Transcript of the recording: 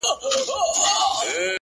ته له قلف دروازې! یو خروار بار باسه!